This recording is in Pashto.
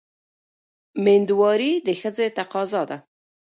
مېندواري د ښځې تقاضا ده.